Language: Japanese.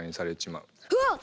うわっ！